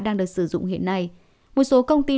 đang được sử dụng hiện nay một số công ty